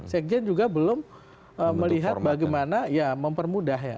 sekjen juga belum melihat bagaimana mempermudahnya